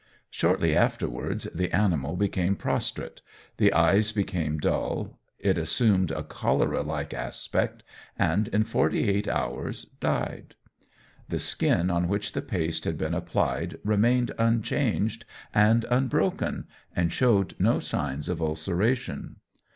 Shortly afterwards the animal became prostrate, the eyes became dull, it assumed a cholera like aspect, and in forty eight hours died. The skin on which the paste had been applied remained unchanged and unbroken, and showed no sign of ulceration.